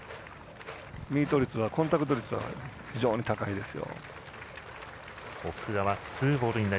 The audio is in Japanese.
ミート率、コンタクト率は非常に高いですよ。